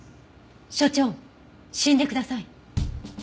所長死んでください。